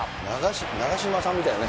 長嶋さんみたいなね。